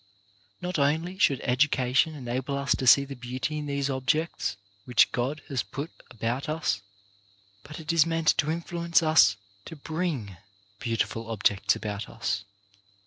Not only should education enable us to see the beauty in these ob jects which God has put about us, but it is meant to influence us to bring beautiful objects about us.